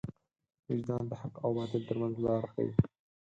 وجدان د حق او باطل تر منځ لار ښيي.